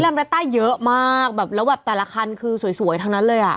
แรต้าเยอะมากแบบแล้วแบบแต่ละคันคือสวยทั้งนั้นเลยอ่ะ